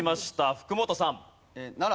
福本さん。